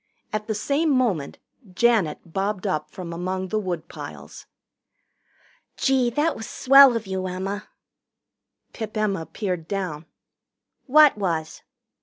At the same moment Janet bobbed up from among the woodpiles. "Gee, that was swell of you, Emma!" Pip Emma peered down. "What was?"